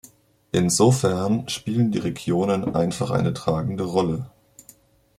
Insofern spielen die Regionen einfach eine tragende Rolle.